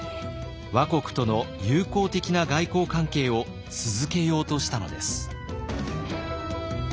倭国との友好的な外交関係を続けようとしたのです。